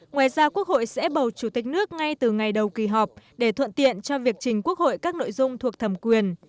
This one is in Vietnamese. ngoài ra quốc hội sẽ bầu chủ tịch nước ngay từ ngày đầu kỳ họp để thuận tiện cho việc trình quốc hội các nội dung thuộc thẩm quyền